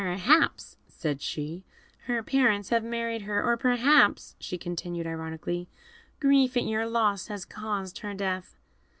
"Perhaps," said she, "her parents have married her; or perhaps," she continued, ironically, "grief at your loss has caused her death."